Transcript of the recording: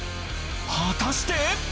果たして！？